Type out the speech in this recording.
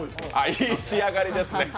いい仕上がりですね。